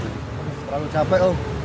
terlalu capek loh